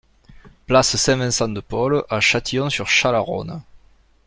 Place Saint-Vincent de Paul à Châtillon-sur-Chalaronne